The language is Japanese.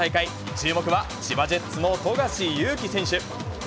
注目は千葉ジェッツの富樫勇樹選手。